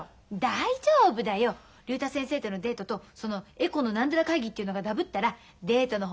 大丈夫だよ竜太先生とのデートとそのエコの何だら会議っていうのがダブったらデートの方とるからさ。